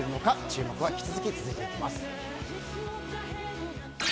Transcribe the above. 注目は引き続き続いていきます。